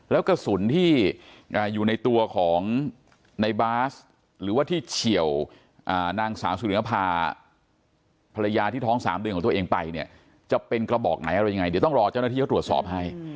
แล้วกระสุนที่อยู่ในตัวของในบาสหรือว่าที่เฉียวนางสาวสุรินภาพภรรยาที่ท้อง๓เดือนของตัวเองไปเนี่ยจะเป็นกระบอกไหนอะไรยังไงเดี๋ยวต้องรอเจ้าหน้าที่เขาตรวจสอบให้